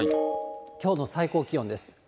きょうの最高気温です。